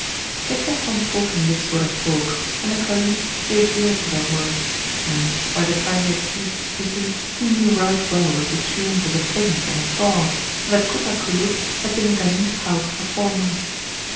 They kept on talking this sort of talk, and the Caliph gave ear to their words; and, by the time they had ceased speaking, he knew right well that the tomb was a feint and a fraud, and that Kut al Kulub had been in Ghanim's house for four months.